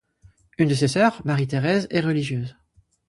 Une de ses sœurs, Marie-Thérèse est religieuse.